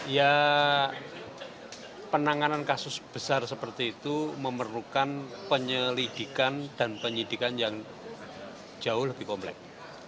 ya penanganan kasus besar seperti itu memerlukan penyelidikan dan penyidikan yang jauh lebih komplek